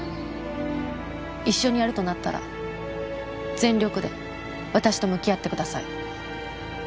一緒にやるとなったら、全力で、私と向き合ってください。